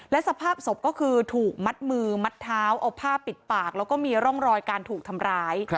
และสภาพศพก็คือถูกมัดมือมัดเท้าเอาผ้าปิดปากแล้วก็มีร่องรอยการถูกทำร้าย